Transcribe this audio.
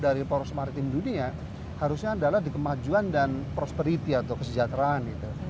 dari poros maritim dunia harusnya adalah dikemajuan dan prosperity atau kesejahteraan gitu